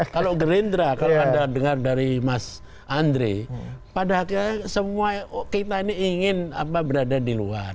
kalau gerindra kalau anda dengar dari mas andre pada akhirnya semua kita ini ingin berada di luar